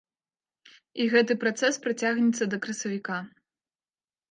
І гэты працэс працягнецца да красавіка.